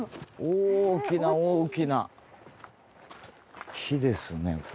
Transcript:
大きな大きな碑ですね。